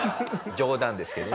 冗談ですけどね。